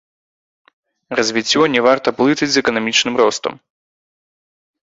Развіццё не варта блытаць з эканамічным ростам.